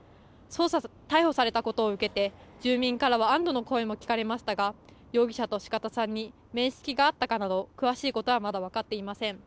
逮捕されたことを受けて住民からは安どの声も聞かれましたが容疑者と四方さんに面識があったかなど詳しいことはまだ分かっていません。